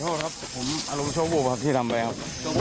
ขอโทษครับผมอารมณ์โชคบุคค์ที่ทำไปครับ